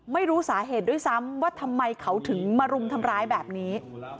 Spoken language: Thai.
ไม่รู้สาเหตุด้วยซ้ำว่าทำไมเขาถึงมารุมทำร้ายแบบนี้